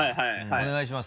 お願いします